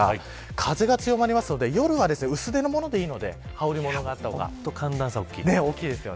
風が強まるので夜は薄手のものでいいので羽織物があったほうがいいです。